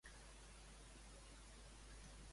Considerava que estava tenint molt mala sort?